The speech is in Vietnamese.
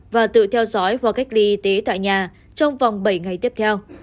và tự theo dõi hoặc cách ly y tế tại nhà trong vòng bảy ngày tiếp theo